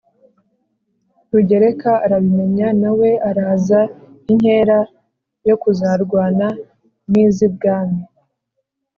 rugereka arabimenya, na we araza inkera yo kuzarwana n' iz' ibwami.